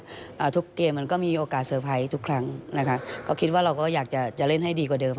อ่าทุกเกมมันก็มีโอกาสเตอร์ไพรส์ทุกครั้งนะคะก็คิดว่าเราก็อยากจะจะเล่นให้ดีกว่าเดิม